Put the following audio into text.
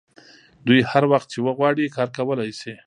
دوی هر وخت چې وغواړي کار کولی شي